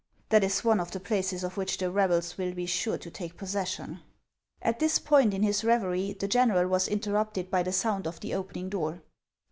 That is one of the places of which the rebels will be" sure to take possession." At this point in his revery, the general was interrupted by the sound of the opening door.